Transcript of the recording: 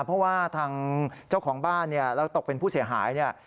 เพราะว่าทางเจ้าของบ้านแล้วตกเป็นผู้เสียหาย